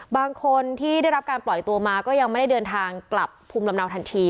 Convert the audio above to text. บางคนที่ได้รับการปล่อยตัวมาก็ยังไม่ได้เดินทางกลับภูมิลำเนาทันที